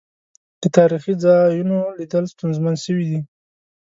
د تاريخي ځا يونوليدل ستونزمن سويدی.